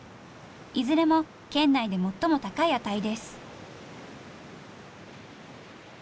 いずれも県内で最も高い値です。